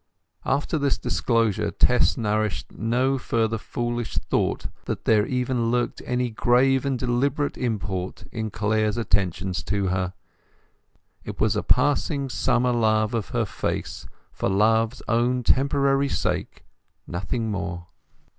After this disclosure Tess nourished no further foolish thought that there lurked any grave and deliberate import in Clare's attentions to her. It was a passing summer love of her face, for love's own temporary sake—nothing more.